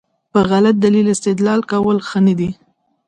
په غلط دلیل استدلال کول ښه نه دي.